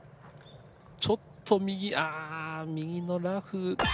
ちょっと右ああ右のラフ。